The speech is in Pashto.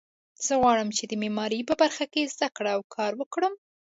زه غواړم چې د معماري په برخه کې زده کړه او کار وکړم